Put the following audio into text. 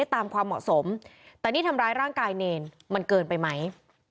ความเหมาะสมแต่นี่ทำร้ายร่างกายเนรมันเกินไปไหม